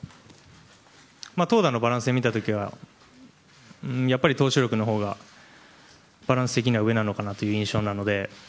投打のバランスで見た時はやっぱり投手力のほうがバランス的には上なのかなという印象なので。